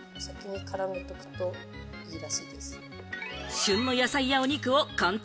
旬の野菜やお肉を簡単！